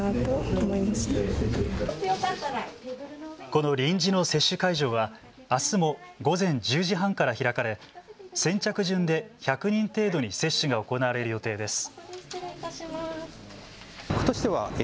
この臨時の接種会場はあすも午前１０時半から開かれ先着順で１００人程度に接種が行われる予定です。